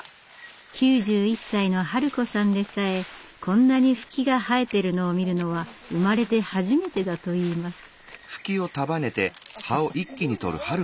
９１歳のハル子さんでさえこんなにフキが生えているのを見るのは生まれて初めてだといいます。